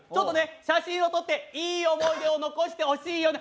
写真を撮って、いい思い出を残してほしいよね。